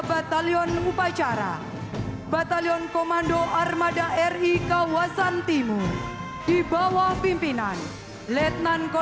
dengan yang lain searat amsk groteul dasar sangat relatif hankin dan sewismer yang repaired service